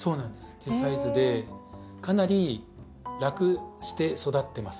っていうサイズでかなり楽して育ってます。